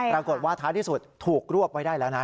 ปรากฏว่าท้ายที่สุดถูกรวบไว้ได้แล้วนะ